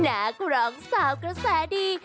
นักร้องสาวกระแสดี